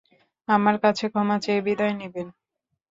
আমার কাছে ক্ষমা চেয়ে বিদায় নিবেন।